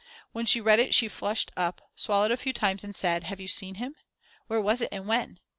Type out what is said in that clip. When she read it she flushed up, swallowed a few times and said: "Have you seen him? Where was it and when?"